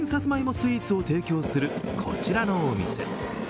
スイーツを提供するこちらのお店。